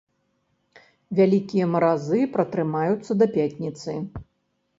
Вялікія маразы пратрымаюцца да пятніцы.